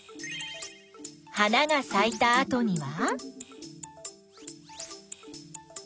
花がさいたあとには。